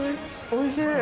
おいしい！